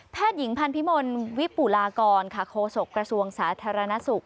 แพทยิ้งพันธุ์ภิมนตร์วิปุรากรโคนสกกระทรวงสาธารณสุข